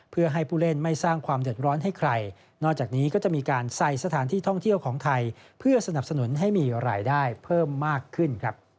เพื่อให้ผู้เล่นไม่สร้างความเดือดร้อนให้ใครนอกจากนี้ก็จะมีการใส่สถานที่ท่องเที่ยวของไทยเพื่อสนับสนุนให้มีรายได้เพิ่มมากขึ้นครับ